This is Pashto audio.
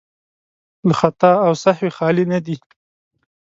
له خطا او سهوی خالي نه دي.